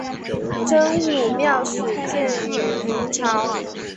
真武庙始建于明朝。